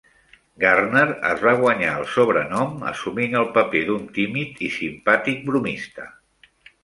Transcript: Garner es va guanyar el sobrenom assumint el paper d'un tímid i simpàtic bromista.